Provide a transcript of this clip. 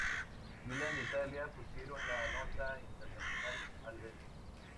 Milan de Italia pusieron la nota internacional al evento.